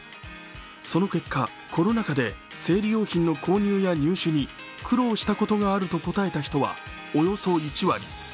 その結果、コロナ禍で生理用品の購入や入手に苦労したことがあると答えた人はおよそ１割。